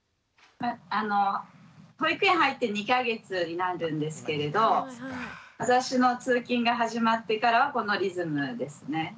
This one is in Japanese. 保育園入って２か月になるんですけれど私の通勤が始まってからはこのリズムですね。